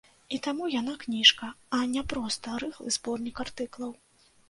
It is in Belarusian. І таму яна кніжка, а не проста рыхлы зборнік артыкулаў.